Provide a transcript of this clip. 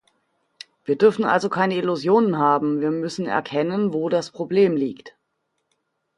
Wir dürfen also keine Illusionen haben, wir müssen erkennen, wo das Problem liegt.